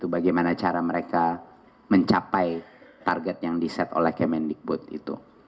bagaimana cara mereka mencapai target yang di set oleh kemendikbud itu